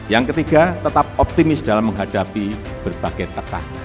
yang ketiga tetap optimis dalam menghadapi berbagai tekah